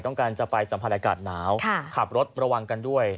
ต้องการจะไปสัมผัสอากาศหนาวขับรถระวังกันด้วย